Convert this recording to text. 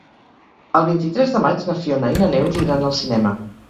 El vint-i-tres de maig na Fiona i na Neus iran al cinema.